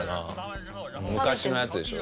昔のやつでしょ